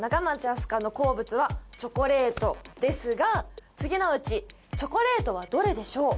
あす花の好物はチョコレートですが次のうちチョコレートはどれでしょう